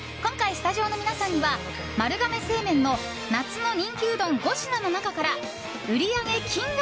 スタジオの皆さんには丸亀製麺の夏の人気うどん５品の中から売上金額